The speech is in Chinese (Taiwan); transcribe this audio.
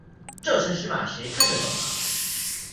這程式碼誰看得懂啊